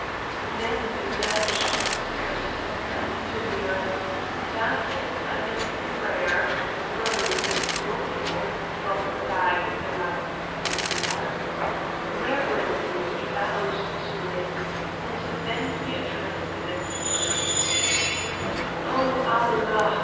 Then the Dervish prostrated himself to the earth, and after a silent prayer rose and brought forth from the bag the last figure. Reverently he bowed to it, and then he addressed it as follows: "Oh, Allah!